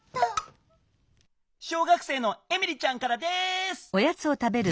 小学生のエミリちゃんからです！